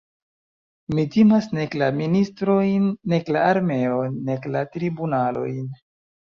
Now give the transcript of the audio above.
Mi timas nek la ministrojn, nek la armeon, nek la tribunalojn.